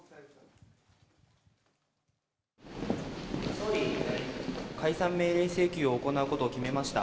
総理、解散命令請求を行うことを決めました。